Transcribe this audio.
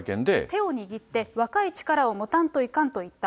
手を握って若い力を持たんといかんと言った。